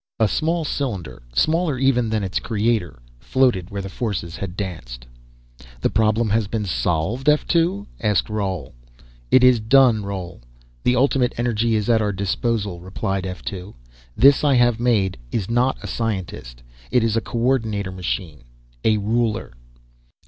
A small cylinder, smaller even than its creator, floated where the forces had danced. "The problem has been solved, F 2?" asked Roal. "It is done, Roal. The Ultimate Energy is at our disposal," replied F 2. "This, I have made, is not a scientist. It is a coordinator machine a ruler."